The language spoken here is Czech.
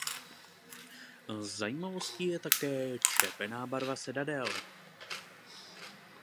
Zajímavostí je také červená barva sedadel.